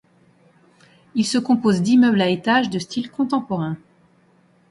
Il se compose d'immeubles à étages de style contemporain.